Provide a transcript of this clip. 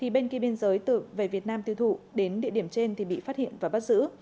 bên kia biên giới tự về việt nam tiêu thụ đến địa điểm trên thì bị phát hiện và bắt giữ